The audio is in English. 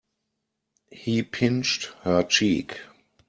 He pinched her cheek.